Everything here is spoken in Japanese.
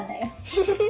フフフフ！